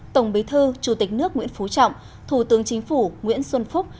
tổng bí thư chủ tịch nước nguyễn phú trọng thủ tướng chính phủ nguyễn xuân phúc